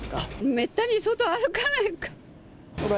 めったに外歩かないから。